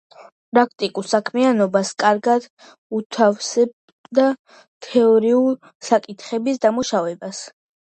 პრაქტიკულ საქმიანობას კარგად უთავსებდა თეორიული საკითხების დამუშავებას.